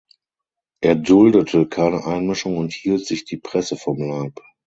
Er duldete keine Einmischung und hielt sich die Presse vom Leib.